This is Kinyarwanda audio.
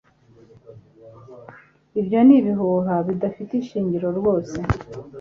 Ibyo ni ibihuha bidafite ishingiro rwose.